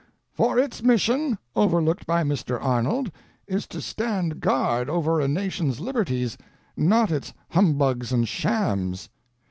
"For its mission—overlooked by Mr. Arnold—is to stand guard over a nation's liberties, not its humbugs and shams."